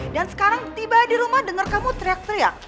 dan sekarang tiba di rumah denger kamu teriak teriak